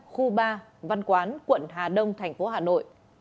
khu ba văn quán quận hà đông tp hà nội